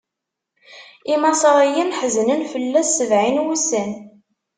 Imaṣriyen ḥeznen fell-as sebɛin n wussan.